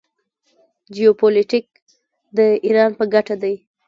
جیوپولیټیک د ایران په ګټه دی.